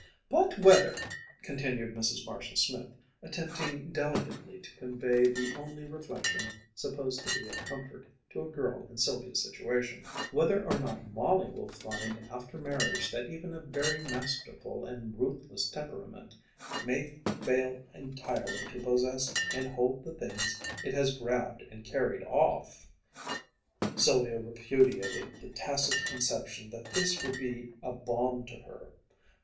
"But whether," continued Mrs. Marshall Smith, attempting delicately to convey the only reflection supposed to be of comfort to a girl in Sylvia's situation, "whether or not Molly will find after marriage that even a very masterful and ruthless temperament may fail entirely to possess and hold the things it has grabbed and carried off ..." Sylvia repudiated the tacit conception that this would be a balm to her.